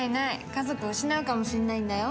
家族を失うかもしれないんだよ。